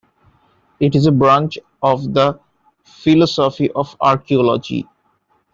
It is a branch of the Philosophy of archaeology.